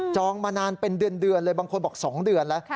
มานานเป็นเดือนเลยบางคนบอก๒เดือนแล้ว